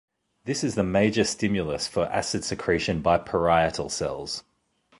This is the major stimulus for acid secretion by parietal cells.